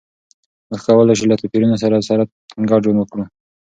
موږ کولای شو له توپیرونو سره سره ګډ ژوند وکړو.